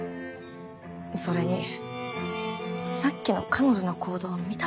それにさっきの彼女の行動を見たでしょう。